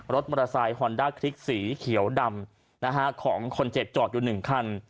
รถมอเตอร์ไซค์ฮอนด้าคลิกสีเขียวดำของคนเจ็บจอดอยู่๑คัน